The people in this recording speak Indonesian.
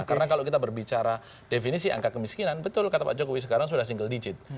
karena kalau kita berbicara definisi angka kemiskinan betul kata pak jokowi sekarang sudah single digit